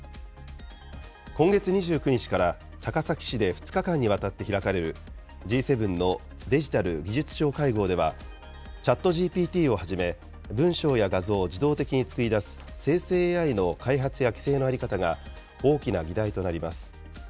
今月２９日から高崎市で２日間にわたって開かれる、Ｇ７のデジタル・技術相会合では、チャットＧＰＴをはじめ、文章や画像を自動的に作り出す生成ＡＩの開発の規制の在り方が大きな議題となります。